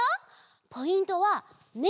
ポイントはめ！